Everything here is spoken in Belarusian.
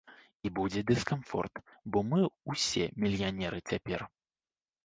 І будзе дыскамфорт, бо мы ўсе мільянеры цяпер.